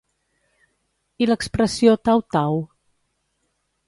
I l'expressió tau, tau?